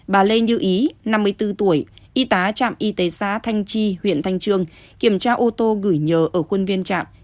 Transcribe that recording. bà lê như ý năm mươi bốn tuổi y tá trạm y tế xã thanh chi huyện thanh trương kiểm tra ô tô gửi nhờ ở khuôn viên trạm